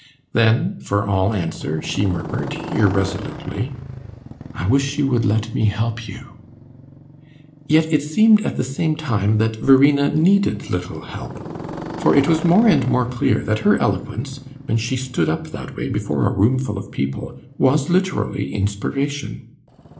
Then, for all answer, she murmured, irresolutely, "I wish you would let me help you!" Yet it seemed, at the same time, that Verena needed little help, for it was more and more clear that her eloquence, when she stood up that way before a roomful of people, was literally inspiration.